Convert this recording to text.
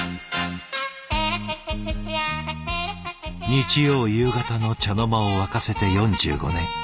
日曜夕方の茶の間を沸かせて４５年。